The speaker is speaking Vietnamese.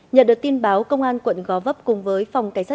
nhận được tin báo công an quận gò vấp cùng với phòng cảnh sát